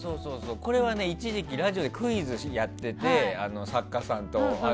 これはね、一時期ラジオでクイズをやってたの作家さんと。